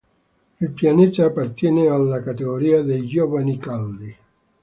Il pianeta appartiene alla categoria dei gioviani caldi.